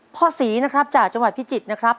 พ่อศรีนะครับจากจังหวัดพิจิตรนะครับ